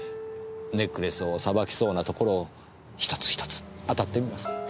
ネックレスをさばきそうな所を１つ１つ当たってみます。